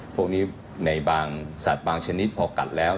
พวกนี้ในบางสัตว์บางชนิดพอกัดแล้ว